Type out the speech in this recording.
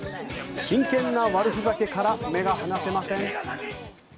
真剣な悪ふざけから目が離せません。